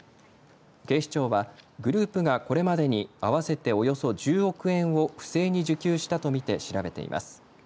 警視庁はグループがこれまでに合わせておよそ１０億円を不正に受給したと見て調べています。